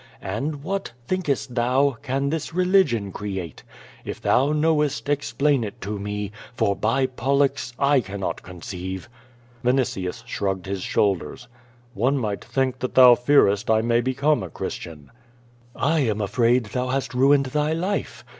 And w'hat, thinkest thou, can this religion create? If thou knowest explain it to me, for by Pollux, 1 cannot conceive.'* Vinitius shrugged his shoulders. "One might think that thou fearest I may become a Chris tian." "I am afraid thou hast ruined thy life.